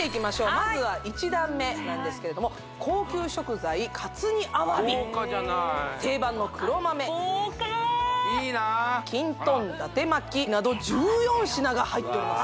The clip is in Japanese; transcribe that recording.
まずは一段目なんですけれども高級食材活煮アワビ豪華じゃない定番の黒豆豪華いいなきんとん伊達巻など１４品が入ってます